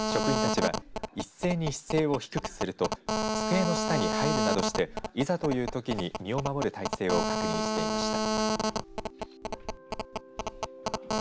職員たちは一斉に姿勢を低くすると机の下に入るなどしていざというときに身を守る体勢を確認していました。